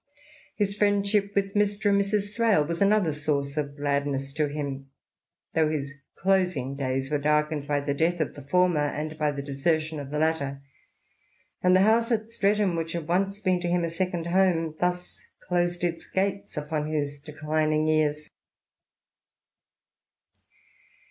His friendship with Mr. and Mrs. Thrale was another source of gladness to him, though his closing days were darkened by the death of the former, and by the desertion of the latter, and the house at Streatham, which had once been to him a second home, thus closed its gates upon his declining years.